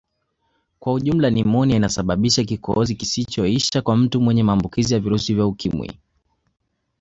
Kwa ujumla nimonia inasababisha kikozi kisichoisha kwa mtu mwenye maambukizi ya virusi vya Ukimwi